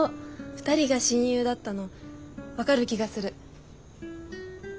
２人が親友だったの分かる気がする。